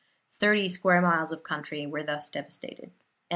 Thirty square miles of country were thus devastated."